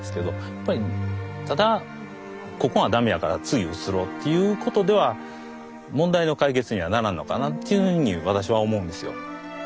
やっぱりただここが駄目やから次移ろうっていうことでは問題の解決にはならんのかなっていうふうに私は思うんですよ。